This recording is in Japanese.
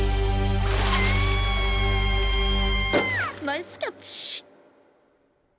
ナイスキャッチ！